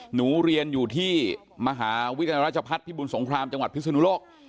หนูเรียนอยู่ที่มหาวิทยาลัยราชพัฒน์พิบุญสงครามจังหวัดพิศนุโลก